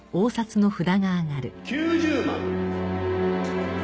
９０万。